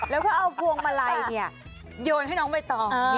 แล้วเขาเอาพวงมาไหลโยนให้น้องไปต่อ